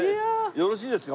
よろしいですか？